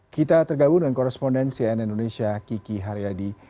kita tergabung dengan korespondensi nn indonesia kiki haryadi